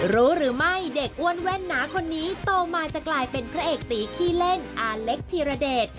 รู้หรือไม่เด็กอ้วนแว่นหนาคนนี้โตมาจะกลายเป็นพระเอกตีขี้เล่นอาเล็กธีรเดช